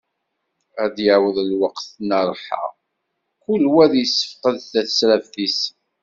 Ad d-yaweḍ lweqt n rrḥa, kul wa ad yessefqed tasraft-is.